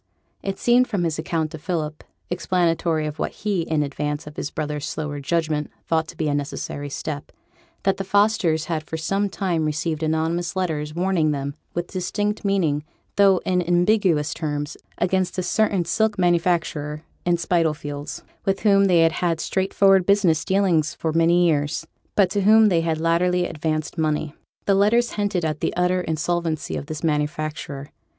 It seemed from his account to Philip (explanatory of what he, in advance of his brother's slower judgment, thought to be a necessary step), that the Fosters had for some time received anonymous letters, warning them, with distinct meaning, though in ambiguous terms, against a certain silk manufacturer in Spitalfields, with whom they had had straightforward business dealings for many years; but to whom they had latterly advanced money. The letters hinted at the utter insolvency of this manufacturer.